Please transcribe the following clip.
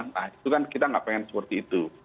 nah itu kan kita nggak pengen seperti itu